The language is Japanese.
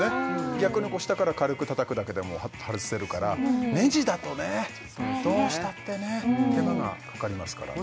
逆に下から軽くたたくだけでも外せるからネジだとねどうしたってね大変手間がかかりますからね